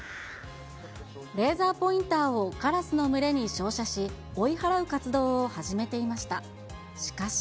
レーザーポインターをカラスの群れに照射し、追い払う活動を始めていました。